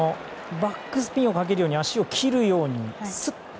バックスピンをかけるように足を切るように、スッと。